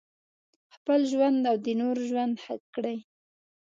خپل ژوند او د نورو ژوند ښه کړي.